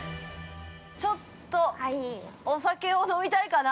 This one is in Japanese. ◆ちょっと、お酒を飲みたいかな。